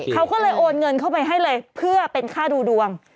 เขาก็เลยโอนเงินเข้าไปให้เลยเพื่อเป็นค่าดูดวง